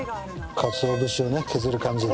かつお節をね削る感じで。